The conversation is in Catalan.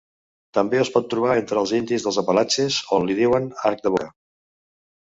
També es pot trobar entre els indis dels Apalatxes, on li diuen arc de boca.